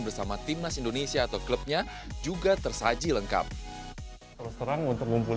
bersama timnas indonesia atau klubnya juga tersaji lengkap